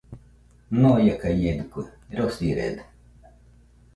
Ñoiakañedɨkue, rosirede.